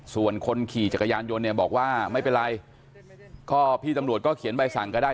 ส่วนคนขี่จักรยานยนต์เนี่ยบอกว่าไม่เป็นไรก็พี่ตำรวจก็เขียนใบสั่งก็ได้